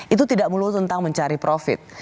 itu tidak melulu tentang mencari profit